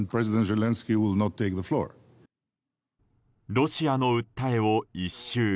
ロシアの訴えを一蹴。